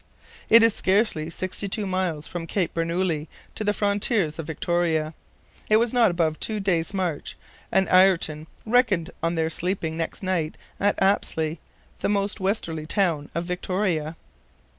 It is scarcely sixty two miles from Cape Bernouilli to the frontiers of Victoria. It was not above a two days' march, and Ayrton reckoned on their sleeping next night at Apsley, the most westerly town of Victoria.